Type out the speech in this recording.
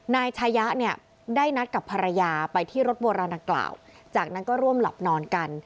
นายชายะเนี่ยได้นัดกับภรรยาไปที่รถโบราณดังกล่าวจากนั้นก็ร่วมหลับนอนกัน